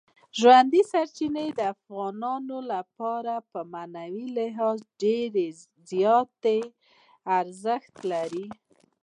ژورې سرچینې د افغانانو لپاره په معنوي لحاظ ډېر زیات ارزښت لري.